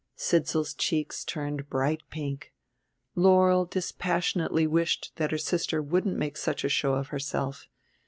Sidsall's cheeks turned bright pink. Laurel dispassionately wished that her sister wouldn't make such a show of herself.